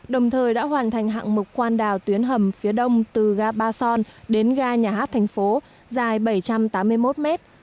đồng thời đã hoàn thành hạng mục khoan đào tuyến hầm phía đông từ ga ba son đến ga nhà hát thành phố dài bảy trăm tám mươi một m